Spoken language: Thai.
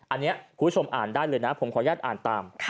อันนี้คุณผู้ชมอ่านได้เลยนะผมขออนุญาตอ่านตาม